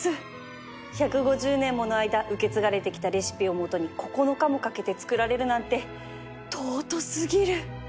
１５０年もの間受け継がれてきたレシピを元に９日もかけて作られるなんて尊過ぎる！